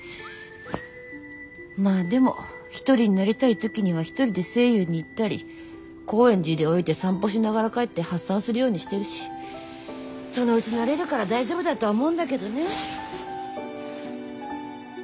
まぁでも一人になりたい時には一人でＳＡＹＹＯＵに行ったり高円寺で降りて散歩しながら帰って発散するようにしてるしそのうち慣れるから大丈夫だとは思うんだけどね。